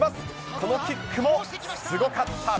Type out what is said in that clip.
このキックもすごかった。